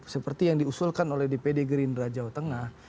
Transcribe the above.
seperti yang diusulkan oleh dpd gerindra jawa tengah